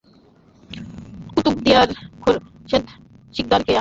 কুতুবদিয়ার খোরশেদ সিকদারকে হারিয়ে হাবিব গতবারের চ্যাম্পিয়ন দিদারের মুখোমুখি হওয়ার সুযোগ পান।